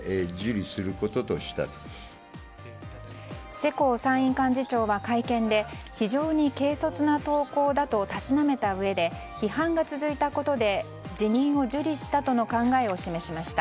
世耕参院幹事長は会見で非常に軽率な投稿だとたしなめたうえで批判が続いたことで辞任を受理したとの考えを示しました。